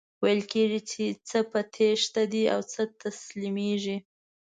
ویل کیږي چی څه په تیښته دي او څه تسلیمیږي.